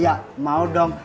iya mau dong